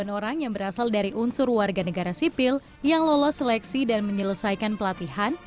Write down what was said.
sembilan orang yang berasal dari unsur warga negara sipil yang lolos seleksi dan menyelesaikan pelatihan